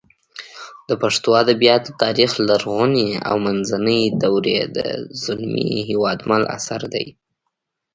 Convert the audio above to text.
د پښتو ادبیاتو تاریخ لرغونې او منځنۍ دورې د زلمي هېوادمل اثر دی